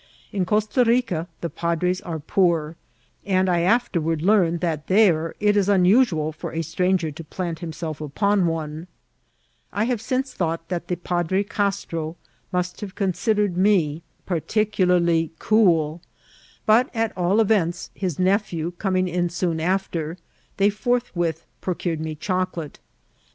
In Costa Rica the padres are poor, and I af terward learned that there it is unusual for a stranger to plant himself upon one^ I have since thought that the Padre Castro must have considered me particularly S68 INCIDXMT8 or TRATSIm cool ; bnt, at all eTents, his nephew ooming in soon after, they forthwith procured me chocolate.